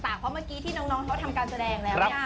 เพราะเมื่อกี้ที่น้องเขาทำการแสดงแล้วเนี่ย